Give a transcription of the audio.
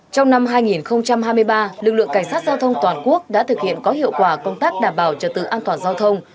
trong năm hai nghìn hai mươi ba lực lượng cảnh sát giao thông toàn quốc đã thực hiện có hiệu quả công tác đảm bảo trật tự an toàn giao thông